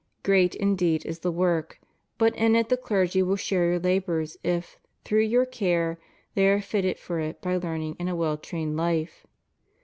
Great, indeed, is the work; but in it the clergy will share your labors if, through your care, they are fitted for it by learning and a well trained life.